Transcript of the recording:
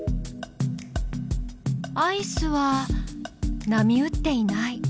アイスは波打っていない。